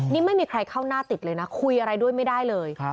นี่ไม่มีใครเข้าหน้าติดเลยนะคุยอะไรด้วยไม่ได้เลย